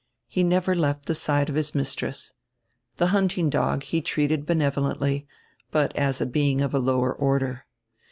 He never left the side of his mis tress. The hunting dog he treated benevolently, but as a being of a lower order.